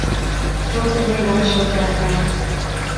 Сотовыйҙан шылтырата.